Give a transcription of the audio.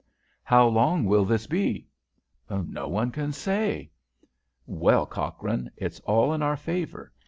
"How long will this be?" "No one can say." "Well, Cochrane, it's all in our favour.